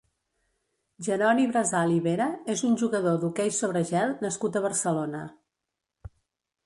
Jeroni Brasal i Vera és un jugador d'hoquei sobre gel nascut a Barcelona.